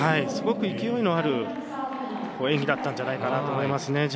すごく勢いのある演技だったんじゃないかなと思いますね。